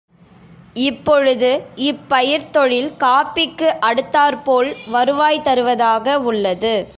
இப்பொழுது இப்பயிர்த்தொழில் காஃபிக்கு அடுத்தாற்போல் வருவாய் தருவதாக உள்ளது.